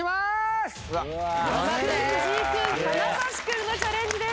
那須君藤井君金指君のチャレンジです。